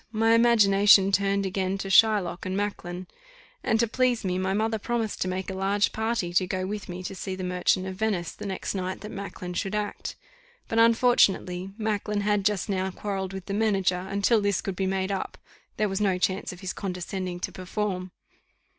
My imagination turned again to Shylock and Macklin; and, to please me, my mother promised to make a large party to go with me to see the Merchant of Venice the next night that Macklin should act; but, unfortunately, Macklin had just now quarrelled with the manager, and till this could be made up, there was no chance of his condescending to perform.